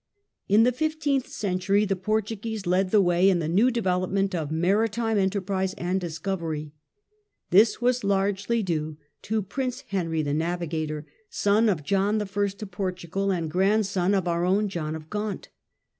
In the fifteenth century the Portuguese led the way in the new development of maritime enterprise and discovery. This Maritime was largely due to Prince Henry the Navigator, son of impor nee j^^^ j ^^ Portugal, and grandson of our own John of Gaunt.